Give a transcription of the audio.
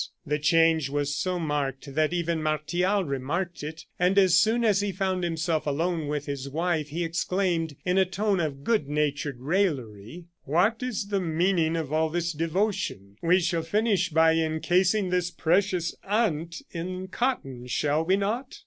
The change was so marked that even Martial remarked it, and as soon as he found himself alone with his wife, he exclaimed, in a tone of good natured raillery: "What is the meaning of all this devotion? We shall finish by encasing this precious aunt in cotton, shall we not?"